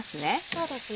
そうですね。